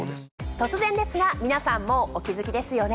突然ですが皆さんもうお気付きですよね。